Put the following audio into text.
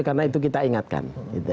karena itu kita ingatkan